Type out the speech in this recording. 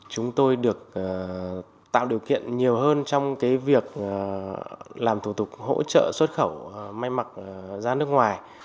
chúng tôi được tạo điều kiện nhiều hơn trong việc làm thủ tục hỗ trợ xuất khẩu may mặc ra nước ngoài